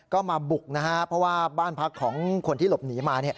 ก็มาบุกนะครับเพราะว่าบ้านพักของคนที่หลบหนีมา